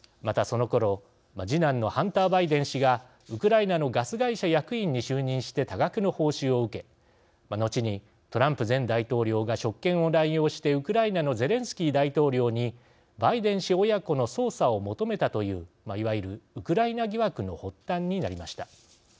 またそのころ、次男のハンター・バイデン氏がウクライナのガス会社役員に就任して多額の報酬を受け後にトランプ前大統領が職権を乱用してウクライナのゼレンスキー大統領にバイデン氏親子の捜査を求めたといういわゆるウクライナ疑惑の発端になりました。